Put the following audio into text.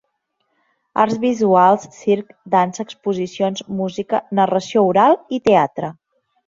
Arts visuals, circ, dansa, exposicions, música, narració oral i teatre.